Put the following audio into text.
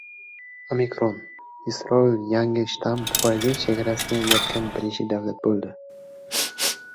Omikron. Isroil yangi shtamm tufayli chegarasini yopgan birinchi davlat bo‘ldi